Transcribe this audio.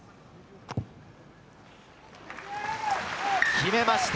決めました。